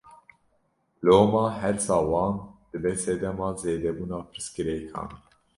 Loma hêrsa wan dibe sedema zêdebûna pirsgirêkan.